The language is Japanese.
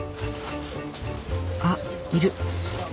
あっいる。